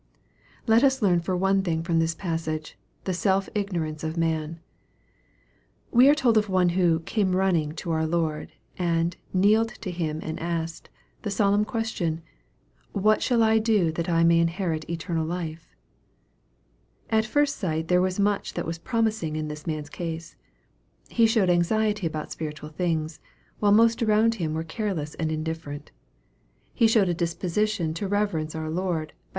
Let us learn for one thing from this passage, the self ignorance of man. We are told of one who " came running' 1 to our Lord, and " kneeled to him and asked" the solemn question, " what shall I do that I may inherit eternal life ?" At first sight there was much that was promising in this man's case. He showed anxiety about spiritual things, while most around him were careless and indifferent. He showed a disposition to reverence our Lord, by 208 EXPOSITORY THOUGHTS.